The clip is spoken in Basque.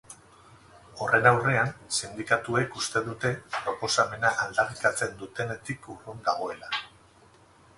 Horren aurrean, sindikatuek uste dute proposamena aldarrikatzen dutenetik urrun dagoela.